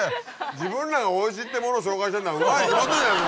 自分らがおいしいってものを紹介してるんだからうまいに決まってるじゃないか！